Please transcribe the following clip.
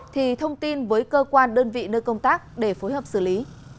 thì thông tin với cơ quan đơn vị nơi công tác để phối hợp xử lý